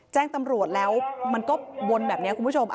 แจ้งตำรวจแล้วมันก็วนแบบนี้คุณผู้ชม